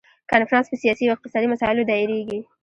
کنفرانس په سیاسي او اقتصادي مسایلو دایریږي.